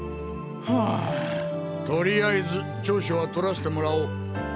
はぁとりあえず調書は取らせてもらおう。